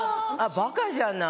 バカじゃない？